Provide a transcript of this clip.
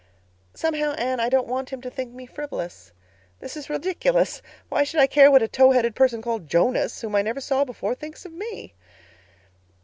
"Somehow, Anne, I don't want him to think me frivolous. This is ridiculous. Why should I care what a tow haired person called Jonas, whom I never saw before thinks of me?